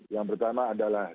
yang pertama adalah